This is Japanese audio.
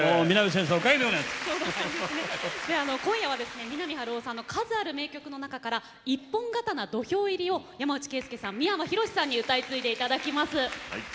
さて、今夜はその三波春夫さんの数多く名曲の中から「一本刀土俵入り」を山内惠介さん、三山ひろしさんに歌い継いでいただきます。